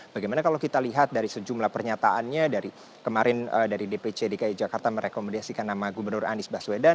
bagaimana kalau kita lihat dari sejumlah pernyataannya dari kemarin dari dpc dki jakarta merekomendasikan nama gubernur anies baswedan